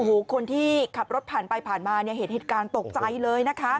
โอ้โหคนที่ขับรถผ่านไปผ่านมาเนี่ยเห็นเหตุการณ์ตกใจเลยนะคะ